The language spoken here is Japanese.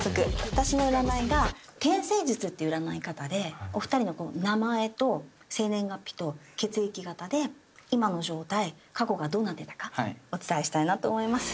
私の占いが天星術っていう占い方でお二人の名前と生年月日と血液型で今の状態過去がどうなってたかお伝えしたいなと思います。